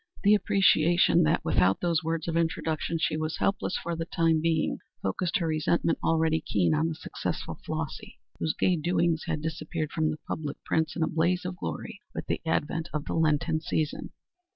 The appreciation that without those words of introduction she was helpless for the time being focused her resentment, already keen, on the successful Flossy, whose gay doings had disappeared from the public prints in a blaze of glory with the advent of the Lenten season.